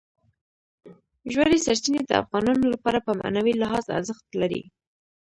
ژورې سرچینې د افغانانو لپاره په معنوي لحاظ ارزښت لري.